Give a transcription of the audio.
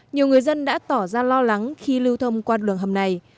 nhiều người dân đã tỏ ra lo lắng khi lưu thông qua đường hầm này